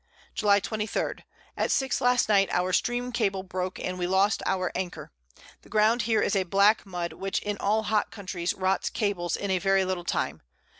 July 23. At 6 last Night our Stream Cable broke, and we lost our Anchor: The Ground here is a black Mud, which in all hot Countries rots Cables in a very little time.